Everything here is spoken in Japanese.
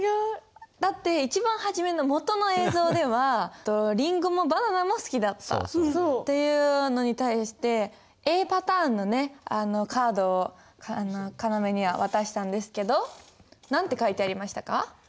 だって一番初めのもとの映像ではりんごもバナナも好きだったっていうのに対してＡパターンのねカードをかなめには渡したんですけど何て書いてありましたか？